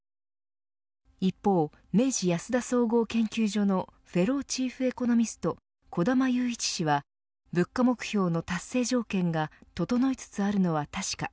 一方、明治安田総合研究所のフェローチーフエコノミスト小玉祐一氏は物価目標の達成条件が整いつつあるのは確か。